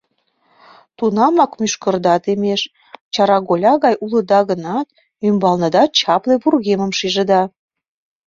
Тунамак мӱшкырда темеш, чараголя гай улыда гынат, ӱмбалныда чапле вургемым шижыда.